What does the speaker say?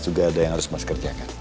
ini yang harus mas kerjakan